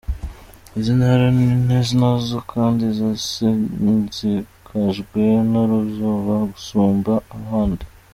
Izi ntara ni nazo kandi zasinzikajwe n'uruzuba gusumba ahandi.